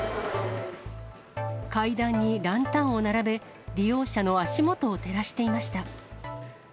階段にランタンを並べ、利用者の足元を照らしていました。